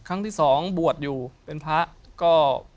ครั้งที่สองบวชอยู่เป็นพระก็